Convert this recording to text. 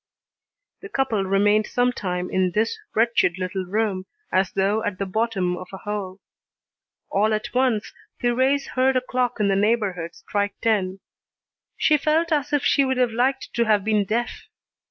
The couple remained some time in this wretched little room, as though at the bottom of a hole. All at once, Thérèse heard a clock in the neighbourhood strike ten. She felt as if she would have liked to have been deaf.